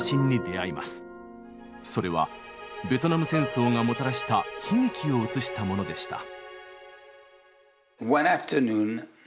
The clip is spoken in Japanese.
それはベトナム戦争がもたらした悲劇を写したものでした。